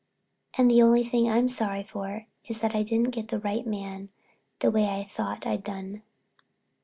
"And the only thing I'm sorry for is that I didn't get the right man the way I thought I'd done."